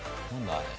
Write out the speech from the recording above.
あれ。